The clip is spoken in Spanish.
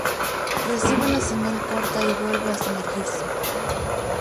Recibe una señal corta y vuelve a sumergirse.